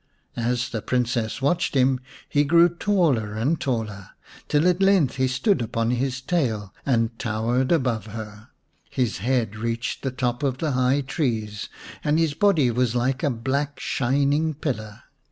As the Princess watched him he grew taller and taller, till at length he stood upon his tail and towered above her. His head reached to the top of the high trees, and his body was like a black shining pillar.